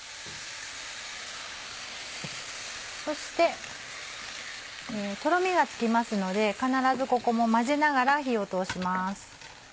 そしてとろみがつきますので必ずここも混ぜながら火を通します。